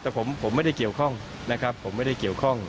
แต่ผมไม่ได้เกี่ยวข้องนะครับผมไม่ได้เกี่ยวข้อง